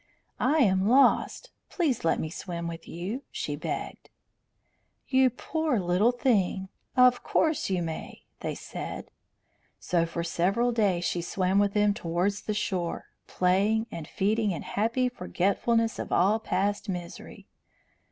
"I am lost; please let me swim with you," she begged. "You poor little thing! Of course you may," they said. So for several days she swam with them towards the shore, playing and feeding in happy forgetfulness of all past misery.